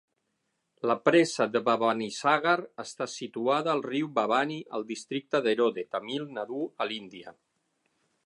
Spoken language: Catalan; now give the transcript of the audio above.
La presa de Bhavanisagar està situada al riu Bhavani al districte d'Erode, Tamil Nadu, a l'Índia.